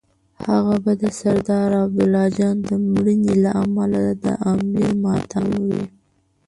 هغه به د سردار عبدالله جان د مړینې له امله د امیر ماتم وي.